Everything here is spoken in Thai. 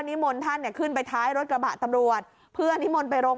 มนต์ท่านเนี่ยขึ้นไปท้ายรถกระบะตำรวจเพื่อนิมนต์ไปโรง